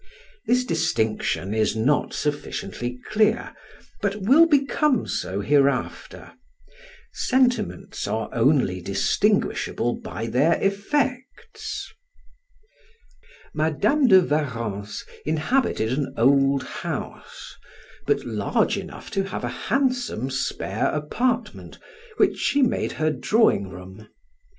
This distinction is not sufficiently clear, but will become so hereafter: sentiments are only distinguishable by their effects. Madam de Warrens inhabited an old house, but large enough to have a handsome spare apartment, which she made her drawing room.